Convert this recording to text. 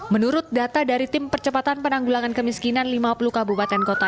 menurut data dari tim percepatan penanggulangan kemiskinan lima puluh kabupaten kota